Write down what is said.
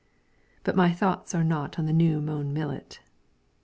But my thoughts are not on the new mown millet.